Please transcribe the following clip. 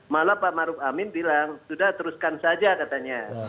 malah pak maruf amin bilang sudah teruskan saja katanya